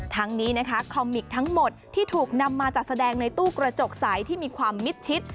ทั้งนี้นะคะคอมมิกทั้งหมดที่ถูกนำมาจัดแสดงในตู้กระจกใสที่มีความมิดชิด